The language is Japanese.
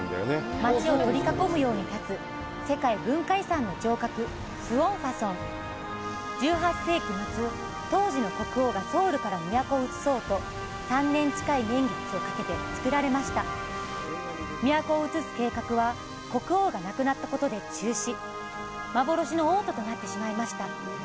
街を取り囲むように建つ世界文化遺産の城郭・水原華城１８世紀末当時の国王がソウルから都を移そうと３年近い年月をかけて造られました都を移す計画は国王が亡くなったことで中止幻の王都となってしまいました